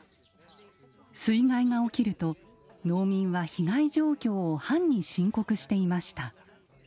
水害が起きると農民は被害状況を藩に申告していました。